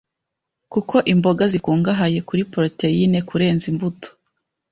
kuko imboga zikungahaye kuri poroteyine kurenza imbuto.